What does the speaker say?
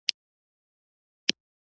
نړیوال سازمانونه هم خپلې وړتیاوې زیاتې کړې دي